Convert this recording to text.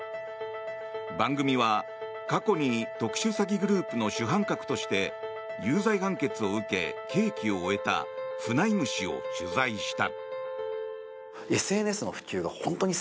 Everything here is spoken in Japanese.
番組は、過去に特殊詐欺グループの主犯格として有罪判決を受け、刑期を終えたフナイム氏を取材した。